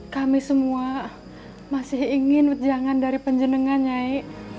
kami semua masih ingin jangan dari penjenengan nyai